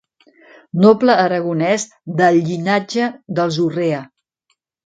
Noble aragonès del llinatge dels Urrea.